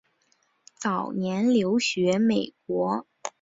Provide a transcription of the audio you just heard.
早年留学美国。